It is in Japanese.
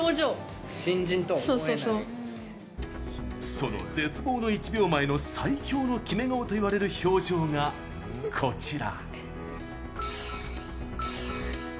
その「絶望の一秒前」の最強の決め顔といわれる表情がこちら。